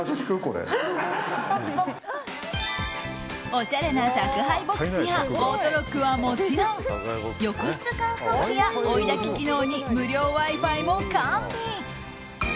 おしゃれな宅配ボックスやオートロックはもちろん浴室乾燥機や追いだき機能に無料Ｗｉ‐Ｆｉも完備。